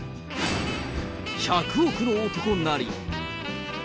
１００億の男なり。